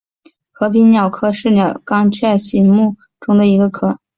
和平鸟科是鸟纲雀形目中的一个科。